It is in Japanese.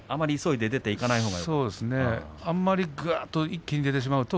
あまり急いで出ていかないほうがよかったですか。